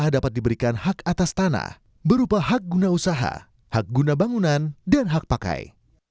dapat diberikan hak atas tanah berupa hak guna usaha hak guna bangunan dan hak pakai